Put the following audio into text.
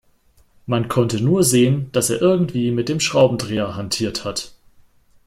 Man konnte nur sehen, dass er irgendwie mit dem Schraubendreher hantiert hat.